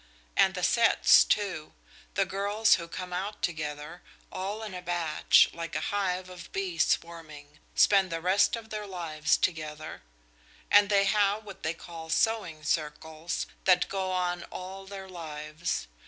And the sets, too. The girls who come out together, all in a batch, like a hive of bees swarming, spend the rest of their lives together; and they have what they call sewing circles, that go on all their lives.